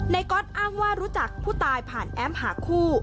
ก๊อตอ้างว่ารู้จักผู้ตายผ่านแอปหาคู่